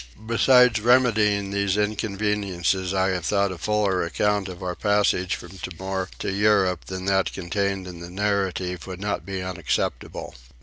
Besides remedying these inconveniencies I have thought a fuller account of our passage from Timor to Europe than that contained in the Narrative would not be unacceptable.